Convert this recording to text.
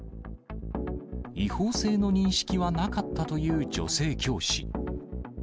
違法性の認識はなかったという女性教師。